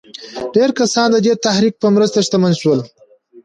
ډېر کسان د دې تحرک په مرسته شتمن شول.